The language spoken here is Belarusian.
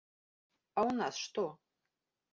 А ў нас што?